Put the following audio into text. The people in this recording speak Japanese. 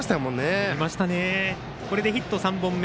これでヒット３本目。